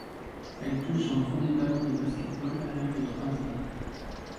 Elle touche son premier ballon de basket-ball à l'âge de trois ans.